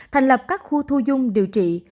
thành lập các khu thu dung điều trị